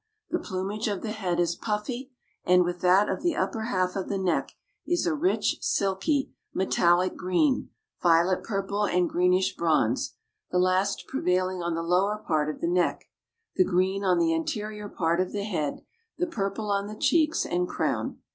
The plumage of the head is puffy and, with that of the upper half of the neck, is a "rich silky, metallic green, violet purple and greenish bronze, the last prevailing on the lower part of the neck, the green on the anterior part of the head, the purple on the cheeks and crown."